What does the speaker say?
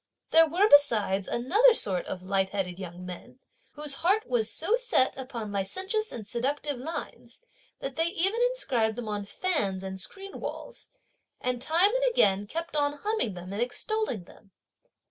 There were besides another sort of light headed young men, whose heart was so set upon licentious and seductive lines, that they even inscribed them on fans and screen walls, and time and again kept on humming them and extolling them.